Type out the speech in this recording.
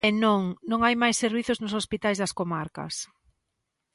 E non, non hai máis servizos nos hospitais das comarcas.